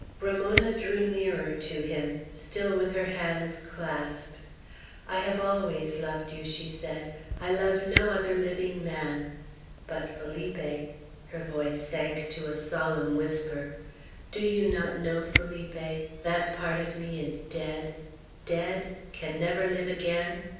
Ramona drew nearer to him, still with her hands clasped. "I have always loved you," she said. "I love no other living man; but, Felipe," her voice sank to a solemn whisper, "do you not know, Felipe, that part of me is dead, dead? can never live again?